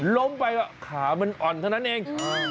ล้มไปขามันอ่อนเท่านั้นเอง